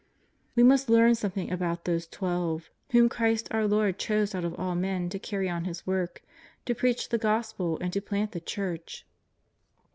We must learn something about these Twelve whom • Galat. i. JESUS OF NAZARETH. 193 Christ our Lord chose out of all men to carry on His work, to preach the Gospel and to plant the Church.